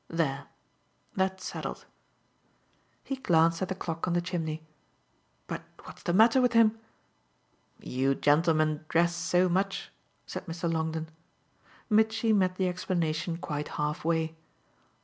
There that's settled." He glanced at the clock on the chimney. "But what's the matter with him?" "You gentlemen dress so much," said Mr. Longdon. Mitchy met the explanation quite halfway.